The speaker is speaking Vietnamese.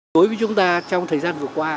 đối với chúng ta trong thời gian vừa qua